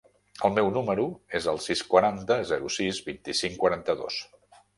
El meu número es el sis, quaranta, zero, sis, vint-i-cinc, quaranta-dos.